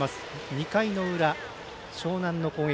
２回の裏、樟南の攻撃。